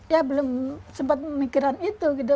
ya belum sempat pemikiran itu gitu